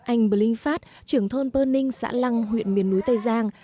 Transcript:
anh bình linh phát trưởng thôn bên ninh xã lăng huyện miền núi tây giang